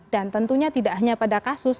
dan tentunya tidak hanya pada kasus